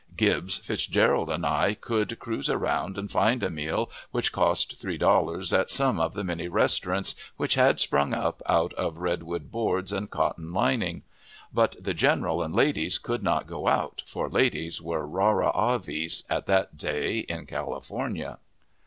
Gibbs, Fitzgerald, and I, could cruise around and find a meal, which cost three dollars, at some of the many restaurants which had sprung up out of red wood boards and cotton lining; but the general and ladies could not go out, for ladies were rara aves at that day in California.